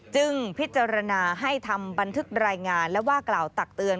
จึงพิจารณาให้ทำบันทึกรายงานและว่ากล่าวตักเตือน